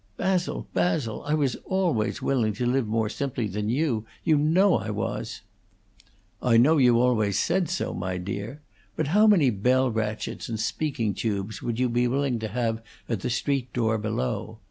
"Basil, Basil! I was always willing to live more simply than you. You know I was!" "I know you always said so, my dear. But how many bell ratchets and speaking tubes would you be willing to have at the street door below?